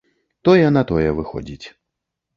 Тое на тое выходзіць.